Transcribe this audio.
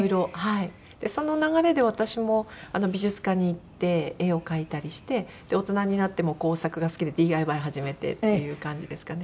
その流れで私も美術館に行って絵を描いたりして大人になっても工作が好きでＤＩＹ始めてっていう感じですかね。